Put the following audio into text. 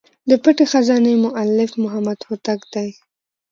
د پټي خزانې مؤلف محمد هوتک دﺉ.